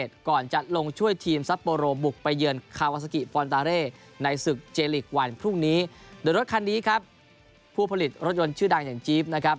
โดยรถคันนี้ครับผู้ผลิตรถยนต์ชื่อดังอย่างจี๊บนะครับ